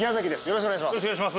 よろしくお願いします。